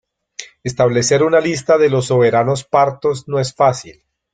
Establecer una lista de los soberanos partos no es fácil.